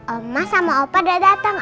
oma sama opa udah dateng